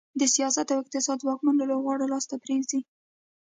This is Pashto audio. د سیاست او اقتصاد ځواکمنو لوبغاړو لاس ته پرېوځي.